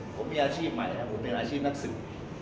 ผมมีอาชีพใหม่นะครับผมมีอาชีพนักศึก